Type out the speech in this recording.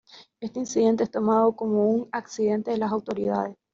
Este incidente es tomado como un accidente por las autoridades.